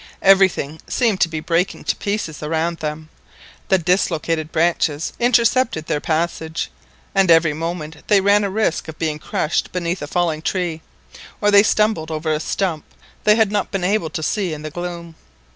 Everything seemed to be breaking to pieces around them, the dislocated branches intercepted their passage, and every moment they ran a risk of being crushed beneath a falling tree, or they stumbled over a stump they had not been able to see in the gloom.